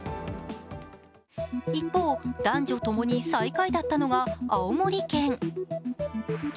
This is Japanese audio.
一方、男女ともに最下位だったのが青森県。